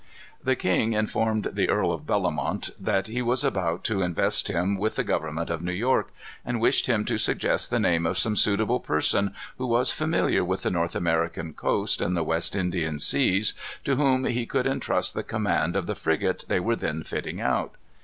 The king informed the Earl of Bellomont that he was about to invest him with the government of New York, and wished him to suggest the name of some suitable person, who was familiar with the North American coast and the West Indian seas, to whom he could intrust the command of the frigate they were then fitting out.